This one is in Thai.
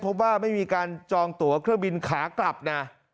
พบว่าไม่มีการจองตัวเครื่องบินขากลับนะ